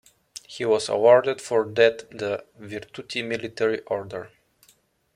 He was awarded for that the Virtuti Militari Order.